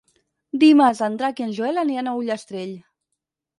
Dimarts en Drac i en Joel aniran a Ullastrell.